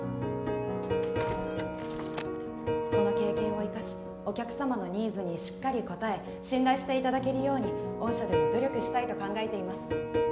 この経験を生かしお客様のニーズにしっかり応え信頼していただけるように御社でも努力したいと考えています。